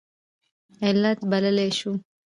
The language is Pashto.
علت بللی شو.